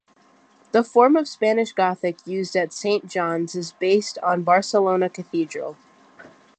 The form of Spanish Gothic used at Saint John's is based on Barcelona Cathedral.